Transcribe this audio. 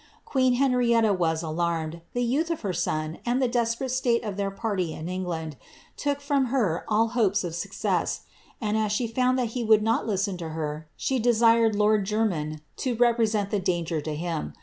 Queen Henrietta was alarmed ; the youth of her son, and ikl ;.^ desperate state of their party in England, took from her all hopes ef ^ success, and as she found that he would not listen to her, ahe desiiei k^ lord Jermyn to represent the danger to him.